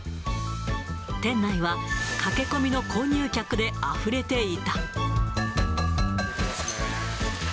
店内は駆け込みの購入客であふれていた。